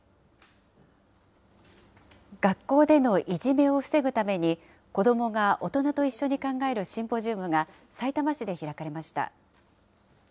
学校でのいじめを防ぐために、子どもが大人と一緒に考えるシンポジウムが、さいたま市で開かれました。